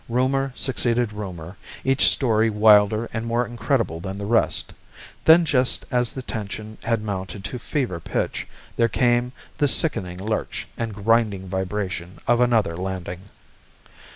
Rumor succeeded rumor, each story wilder and more incredible than the rest. Then just as the tension had mounted to fever pitch, there came the sickening lurch and grinding vibration of another landing.